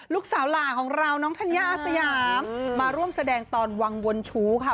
ลูกสาวหล่าของเราน้องธัญญาสยามมาร่วมแสดงตอนวังวนชู้ค่ะ